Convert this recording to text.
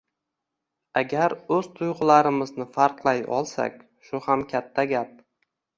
Agar o‘z tuyg‘ularimizni farqlay olsak shu ham katta gap.